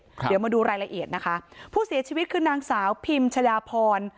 เดี๋ยวมาดูรายละเอียดนะคะผู้เสียชีวิตคือนางสาวพิมชดาพร